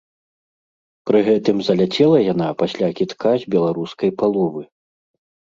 Пры гэтым заляцела яна пасля кідка з беларускай паловы!